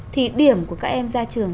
thì điểm của các em ra trường